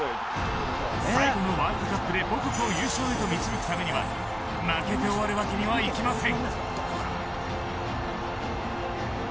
最後のワールドカップで母国を優勝へと導くためには負けて終わるわけにはいきません。